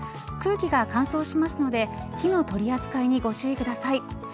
空気が乾燥しますので火の取り扱いにご注意ください。